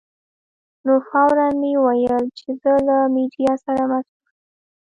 نو فوراً مې وویل چې زه له میډیا سره مصروف یم.